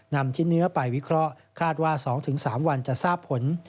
นำชิ้นเนื้อไปวิเคราะห์คาดว่า๒๓วันจะทราบผล